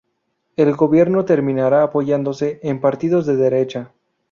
El gobierno terminará apoyándose en partidos de derecha.